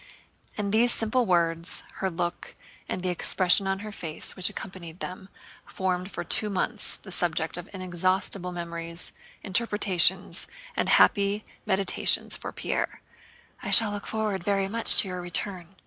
And these simple words, her look, and the expression on her face which accompanied them, formed for two months the subject of inexhaustible memories, interpretations, and happy meditations for Pierre. "'I shall look forward very much to your return....